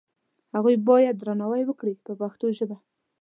هغو ته باید درناوی وکړي په پښتو ژبه.